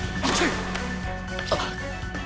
あっ！